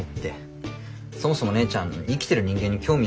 そもそも姉ちゃん生きてる人間に興味ないんじゃなかったの？